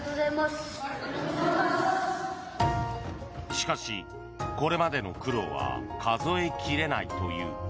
しかし、これまでの苦労は数え切れないという。